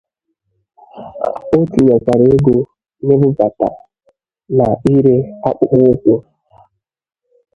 O tinyekwara ego n'ibubata na ire akpụkpọ ụkwụ.